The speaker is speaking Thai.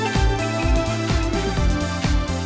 สามารถรับชมได้ทุกวัย